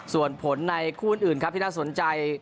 ส่วนผลในคู่อื่นครับที่น่าสนใจ